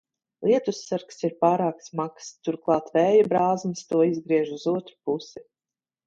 Lietussargs ir pārāk smags, turklāt vēja brāzmas to izgriež uz otru pusi.